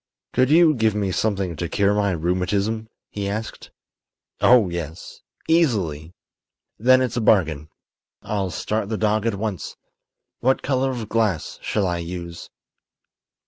"Could you give me something to cure my rheumatism?" he asked. "Oh, yes; easily." "Then it's a bargain. I'll start the dog at once. What color of glass shall I use?"